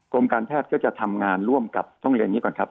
การแพทย์ก็จะทำงานร่วมกับต้องเรียนอย่างนี้ก่อนครับ